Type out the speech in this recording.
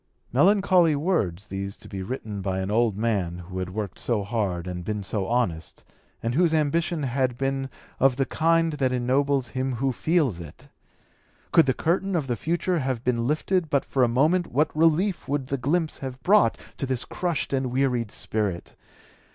Melancholy words these to be written by an old man who had worked so hard and been so honest, and whose ambition had been of the kind that ennobles him who feels it! Could the curtain of the future have been lifted but for a moment what relief would the glimpse have brought to his crushed and wearied spirit.